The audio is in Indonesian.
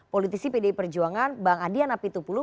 politisi pdi perjuangan bang adi anapi tupulu